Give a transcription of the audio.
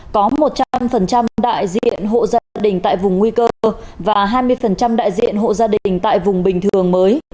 có một trăm linh đại diện hộ gia đình tại vùng nguy cơ và hai mươi đại diện hộ gia đình tại vùng bình thường mới